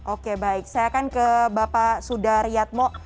oke baik saya akan ke bapak sudaryatmo